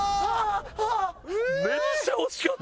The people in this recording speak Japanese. めっちゃ惜しかった！